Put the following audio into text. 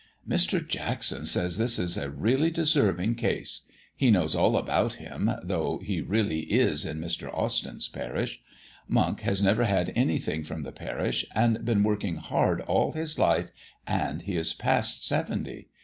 "Mr. Jackson says this is a really deserving case. He knows all about him, though he really is in Mr. Austyn's parish. Monk has never had anything from the parish, and been working hard all his life, and he is past seventy.